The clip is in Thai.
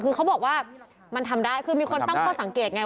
คือเขาบอกว่ามันทำได้คือมีคนตั้งข้อสังเกตไง